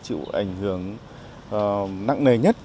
chịu ảnh hưởng nặng nề nhất